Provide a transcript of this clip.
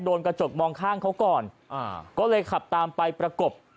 โดนกระจกมองข้างเขาก่อนอ่าก็เลยขับตามไปประกบ